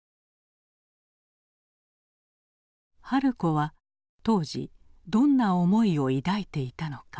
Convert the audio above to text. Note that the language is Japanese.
春子は当時どんな思いを抱いていたのか？